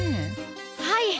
はい。